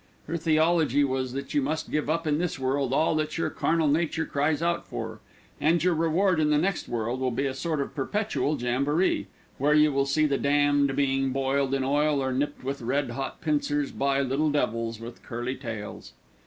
Her theology was that you must give up in this world all that your "carnal nature" cries out for, and your reward in the next world will be a sort of perpetual jamboree, where you will see the damned being boiled in oil, or nipped with red hot pincers by little devils with curly tails.